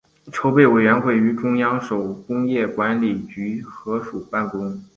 筹备委员会与中央手工业管理局合署办公。